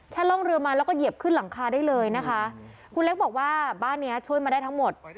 ล่องเรือมาแล้วก็เหยียบขึ้นหลังคาได้เลยนะคะคุณเล็กบอกว่าบ้านเนี้ยช่วยมาได้ทั้งหมด